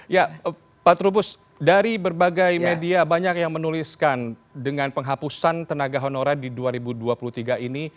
ya pak trubus dari berbagai media banyak yang menuliskan dengan penghapusan tenaga honorer di dua ribu dua puluh tiga ini